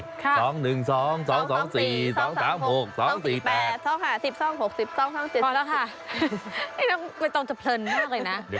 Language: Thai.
ไม่ต้องจะเพลินมากเลยนะ